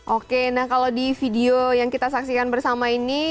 oke nah kalau di video yang kita saksikan bersama ini